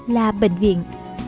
là bệnh viện